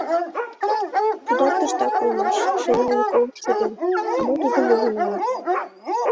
Тудат тыштак улмаш, шеҥгелне колышт шоген, а мый тудым ужын омыл.